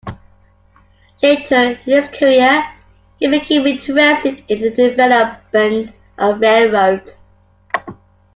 Later in his career, he became interested in the development of railroads.